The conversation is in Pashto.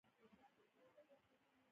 ایا زه باید خندم؟